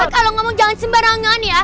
kalau ngomong jangan sembarangan